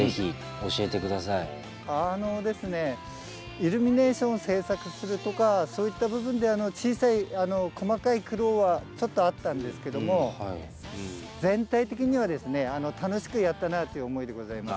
イルミネーションを制作するとかそういった部分で小さい細かい苦労はちょっとあったんですけども全体的にはですね楽しくやったなという思いでございます。